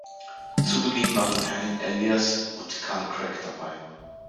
Zu Beginn waren Hanin Elias und Carl Crack dabei.